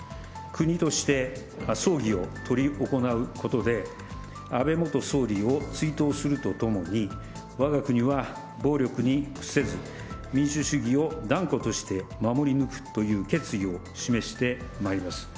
国として葬儀を執り行うことで、安倍元総理を追悼するとともに、わが国は暴力に屈せず、民主主義を断固として守り抜くという決意を示してまいります。